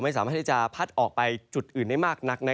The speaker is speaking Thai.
ไม่สามารถที่จะพัดออกไปจุดอื่นได้มากนัก